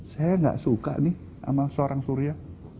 saya nggak suka nih sama seorang surya